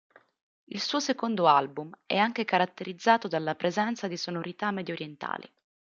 Il suo secondo album è anche caratterizzato dalla presenza di sonorità mediorientali.